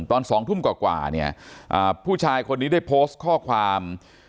ตอน๒ทุ่มกว่าเนี่ยผู้ชายคนนี้ได้โพสต์ข้อความ